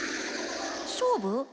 勝負？